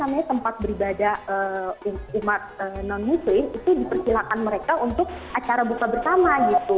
dan bahkan tempat beribadah umat non muslim itu diperkilakan mereka untuk acara buka bersama gitu